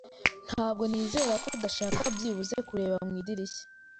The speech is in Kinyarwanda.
Ntabwo nizera ko udashaka byibuze kureba mu idirishya.